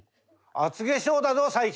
「厚化粧だぞ最近。